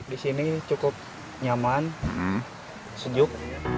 di sini cukup nyaman sejuk